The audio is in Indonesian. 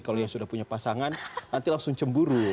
kalau yang sudah punya pasangan nanti langsung cemburu